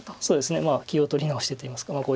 そうですね気を取り直してといいますか。